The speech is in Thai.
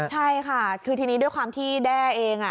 ใช่ค่ะคือทีนี้ด้วยความที่แด้เอง